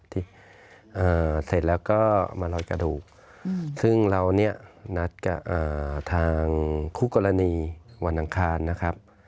เสร็จแล้วก็มารอยกระดูกซึ่งเราเนี่ยนัดกับทางคู่กรณีวันอังคารนะครับ